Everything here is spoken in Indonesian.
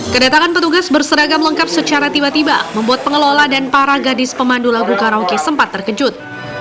kedatangan petugas berseragam lengkap secara tiba tiba membuat pengelola dan para gadis pemandu lagu karaoke sempat terkejut